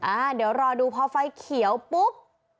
อ่าเดี๋ยวรอดูพอไฟเขียวปุ๊บ